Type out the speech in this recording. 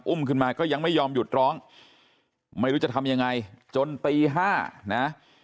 ขึ้นมาก็ยังไม่ยอมหยุดร้องไม่รู้จะทำยังไงจนตี๕นะ